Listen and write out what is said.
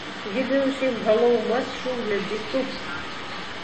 Відэа ўсіх галоў матчу глядзі тут!